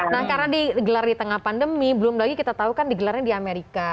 nah karena digelar di tengah pandemi belum lagi kita tahu kan digelarnya di amerika